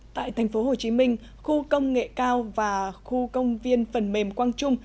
tại thành phố hồ chí minh khu công nghệ cao và khu công viên phần mềm quang trung